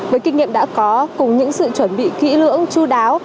với kinh nghiệm đã có cùng những sự chuẩn bị kỹ lưỡng chú đáo